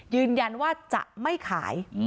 ยืนยันว่าจะไม่ขาย